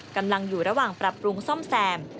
กำลังอยู่ระหว่างปรับปรุงซ่อมแซม